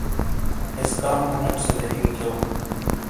ایسکامو نیٹ سے گہ ہِیئو کھیؤ۔